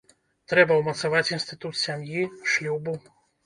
Трэба ўмацаваць інстытут сям'і, шлюбу.